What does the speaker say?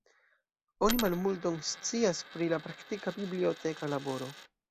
Oni malmulton scias pri la praktika biblioteka laboro.